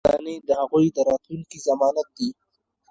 دا خزانې د هغوی د راتلونکي ضمانت دي.